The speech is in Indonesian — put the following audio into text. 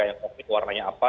yang covid warnanya apa